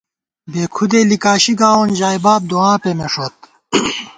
بے کھُدے لِکاشی گاوون ژائے باب دُعا پېمېݭوت